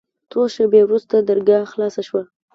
څو شېبې وروسته درګاه خلاصه سوه.